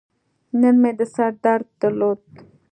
نن مې د سر درد درلود.